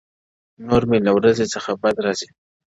• نور مي له ورځي څـخــه بـــد راځـــــــي؛